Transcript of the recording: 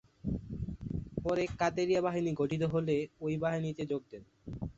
পরে কাদেরিয়া বাহিনী গঠিত হলে ওই বাহিনীতে যোগ দেন।